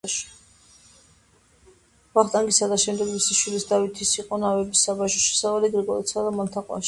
ვახტანგისა და შემდეგ, მისი შვილის, დავითის იყო ნავების საბაჟო შემოსავალი გრიგოლეთსა და მალთაყვაში.